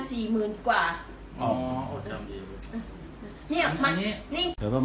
สวัสดีทุกคน